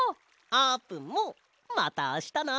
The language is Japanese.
あーぷんもまたあしたな！